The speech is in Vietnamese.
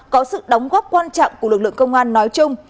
có sự đóng góp quan trọng của lực lượng công an nói chung